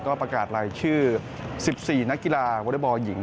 ก็ประกาศรายชื่อ๑๔นักกีฬาวอเล็กบอลหญิง